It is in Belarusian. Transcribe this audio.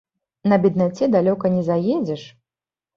На беднаце далёка не заедзеш.